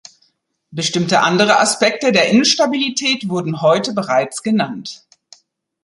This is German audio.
Bestimmte andere Aspekte der Instabilität wurden heute bereits genannt.